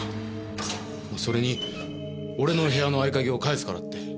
それに俺の部屋の合鍵を返すからって。